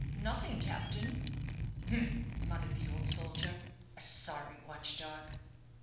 "Nothing, captain." "Humph," muttered the old soldier, "a sorry watch dog."